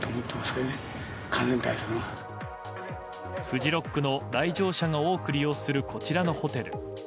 フジロックの来場者が多く利用する、こちらのホテル。